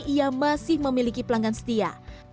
ia masih memiliki pelanggan setia